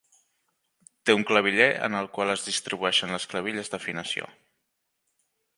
Té un claviller en el qual es distribueixen les clavilles d'afinació.